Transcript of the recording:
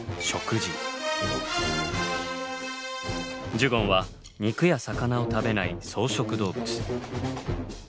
ジュゴンは肉や魚を食べない草食動物。